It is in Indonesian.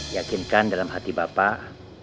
yakinkan dalam hati bapak